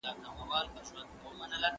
ناروغان باید ژر ټېکنالوژۍ ته لاسرسی ولري.